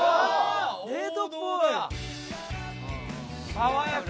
爽やか！